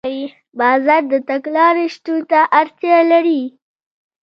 بازار د تګلارې شتون ته اړتیا لري.